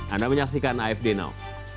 anda menyaksikan afd now